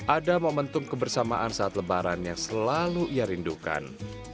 ada momentum kebersamaan saat lebaran yang selalu ia rindukan